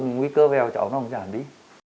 nguy cơ vẹo cho cháu nó không giảm đi